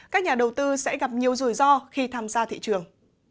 các nhà đầu tư sẽ gặp nhiều rủi ro khi tham gia thị trường